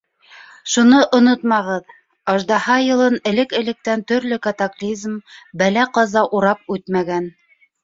Шуны онотмағыҙ: Аждаһа йылын элек-электән төрлө катаклизм, бәлә-ҡаза урап үтмәгән.